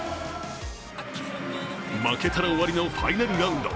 負けたら終わりのファイナルラウンド。